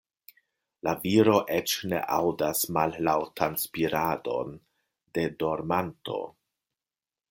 La viro eĉ ne aŭdas mallaŭtan spiradon de dormanto.